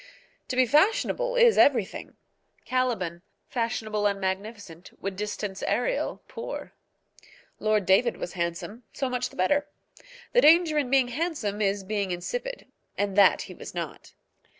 To be fashionable is everything. Caliban, fashionable and magnificent, would distance Ariel, poor. Lord David was handsome, so much the better. The danger in being handsome is being insipid; and that he was not.